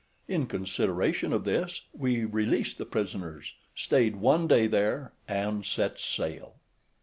In consideration of this, we released the prisoners, stayed one day there, and set sail.